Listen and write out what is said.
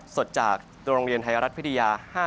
สดจากโรงเรียนไทยรัฐวิทยา๕๗